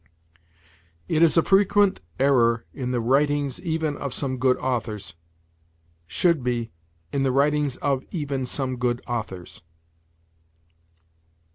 "It is a frequent error in the writings even of some good authors": should be, "in the writings of even some good authors."